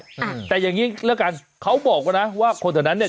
อืมแต่อย่างงี้แล้วกันเขาบอกว่านะว่าคนแถวนั้นเนี้ย